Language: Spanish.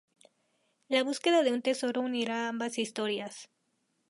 La búsqueda de un tesoro unirá ambas historias.